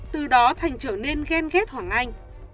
từ đó thành trở nên ghen ghét hoàng anh